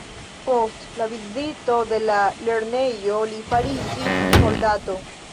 Post la vizito de la lernejo li fariĝis soldato.